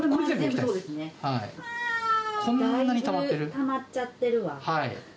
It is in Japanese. だいぶたまっちゃってるわ。